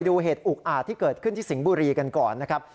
ดูเหตุอุกอาจที่เกิดขึ้นที่สิงห์บุรีกันก่อนนะครับ